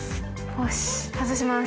よし外します。